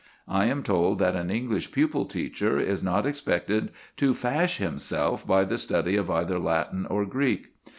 I am told that an English pupil teacher is not expected to fash himself by the study of either Latin or Greek.